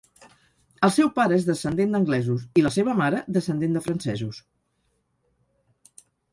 El seu pare és descendent d'anglesos i la seva mare, descendent de francesos.